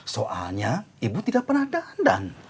soalnya ibu tidak pernah dandan